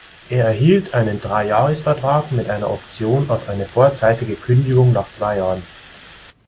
Er erhielt einen Dreijahresvertrag mit einer Option auf eine vorzeitige Kündigung nach zwei Jahren.